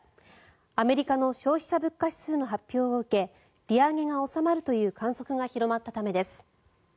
アメリカの消費者物価指数の発表を受け利上げが収まるという観測が広まったためです。